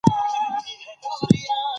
ښوونځې تللې مور د سړې هوا مخنیوی کوي.